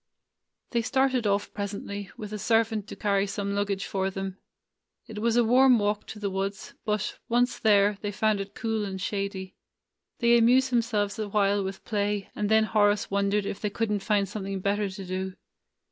They started off presently, with a servant to carry some luggage for them. It was a warm walk to the woods, but, once there, they found it cool and shady. They amused them selves awhile with play, and then Horace won dered if they could n't find something better to do.